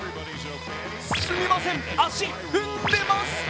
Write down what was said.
すみません、足、踏んでます！